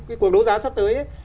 cái cuộc đấu giá sắp tới